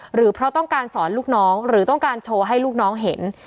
หรือเพราะต้องการสอนลูกน้องหรือต้องการโชว์ให้ลูกน้องเห็น